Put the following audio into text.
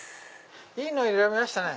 いいの選びましたね。